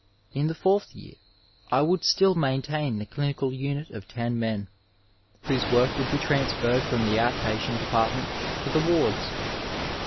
Li the fourth year I would still maintain the clinical unit of ten men, whose work would be transferred from the out patient department to the wards.